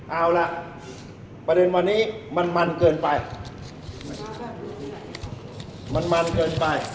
เอาล่ะประเด็นวันนี้มันมันเกินไป